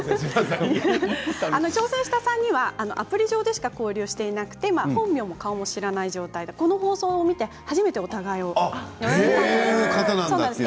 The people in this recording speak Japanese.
挑戦した３人はアプリ上でしか交流していなくて本名も顔も知らない状態でこの放送を見て初めてお互いを知ったかと思います。